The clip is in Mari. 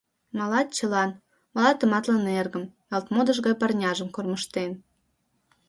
Малат чылан, мала тыматлын эргым, ялт модыш гай парняжым кормыжтен.